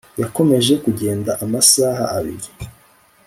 Yakomeje kugenda amasaha abiri